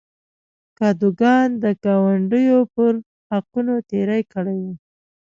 کادوګان د ګاونډیو پر حقونو تېری کړی و.